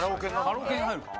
カラオケに入るのか。